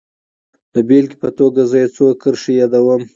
د بېلګې په توګه زه يې يو څو کرښې يادوم.